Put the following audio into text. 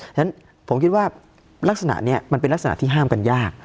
ฉะนั้นผมคิดว่าลักษณะนี้มันเป็นลักษณะที่ห้ามกันยาก